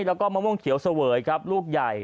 แล้วก็มะม่วงเขียวเสวยครับลูกใหญ่